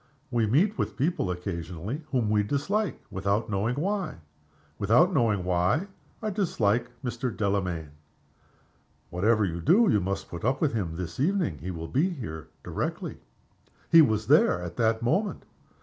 We meet with people occasionally whom we dislike without knowing why. Without knowing why, I dislike Mr. Delamayn." "Whatever you do you must put up with him this evening. He will be here directly." He was there at that moment.